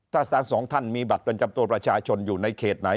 ถ้าสารสองท่านมีบัตรประจำตัวประชาชนอยู่ในเขตไหน